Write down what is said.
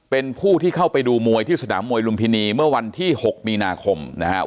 เป็นผู้ที่เข้าไปดูมวยที่สนามมวยลุมพินีเมื่อวันที่๖มีนาคมนะครับ